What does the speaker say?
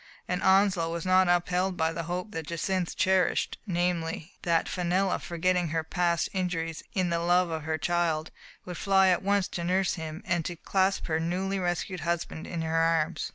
And Onslow was not upheld by the hope that Jacynth cherished — namely, that Fenella, forgetting her past injuries in the love of her child, would fly at once to nurse him, and to clasp her newly rescued husband in her arms.